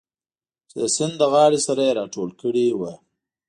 چې د سیند له غاړې سره یې راټول کړي و.